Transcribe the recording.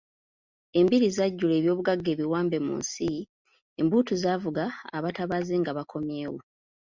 "Embiri zajjula eby'obugagga ebiwambe mu nsi, embuutu zaavuga abatabaazi nga bakomyewo."